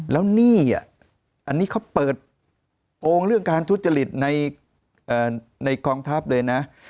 แล้วหนี้อันนี้เขาเปิดโกงเรื่องการทุจริตในกองทัพเลยนะ